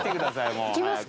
行きますか。